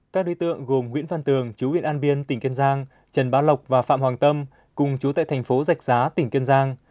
các đối tượng gồm nguyễn văn tường chú huyện an biên tỉnh kiên giang trần bá lộc và phạm hoàng tâm cùng chú tại thành phố dạch giá tỉnh kiên giang